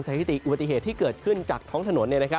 สถิติอุบัติเหตุที่เกิดขึ้นจากท้องถนน